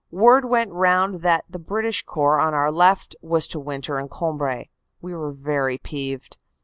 Word went round that the British Corps on our left was to winter in Cambrai we were very peeved.